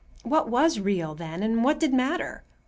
What was real, then, and what did matter?